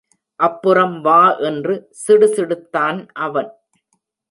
அப்புறம் வா என்று சிடுசிடுத்தான் அவன்.